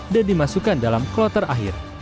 dan dimasukkan dalam kloter akhir